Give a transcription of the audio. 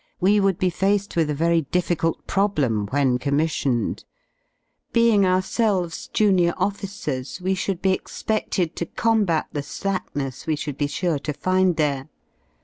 We would he faced with a very difficult problem vcKen commissioned; being ourselves junior officers we should he expeded to combat th>^ slackness ive should be sure to find there.